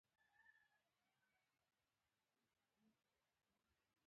هلته د دارو یو اوږد قطار جوړ شو.